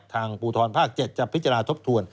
ภูทรภาค๗จะพิจารณาทบทวน